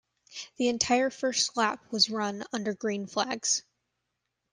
The entire first lap was run under green flags.